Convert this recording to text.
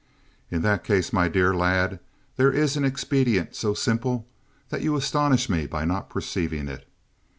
"In that case, my dear lad, there is an expedient so simple that you astonish me by not perceiving it.